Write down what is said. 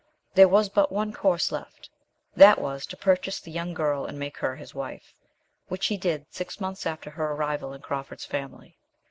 There was but one course left; that was, to purchase the young girl and make her his wife, which he did six months after her arrival in Crawford's family.